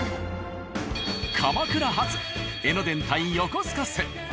鎌倉発江ノ電対横須賀線。